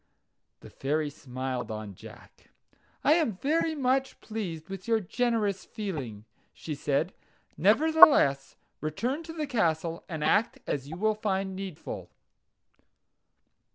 The Fairy smiled on Jack. "I am very much pleased with your generous feeling," she said. "Nevertheless, return to the castle, and act as you will find needful."